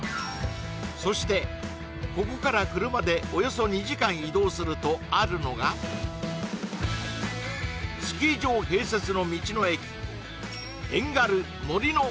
そしてここから車でおよそ２時間移動するとあるのがスキー場併設の道の駅